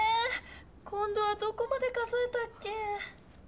今どはどこまで数えたっけ？